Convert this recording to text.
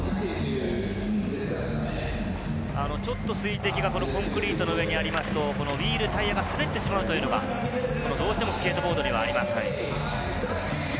ちょっと水滴がこのコンクリートの上にありますとリール、タイヤが滑ってしまうというのが、どうしてもスケートボードにはあります。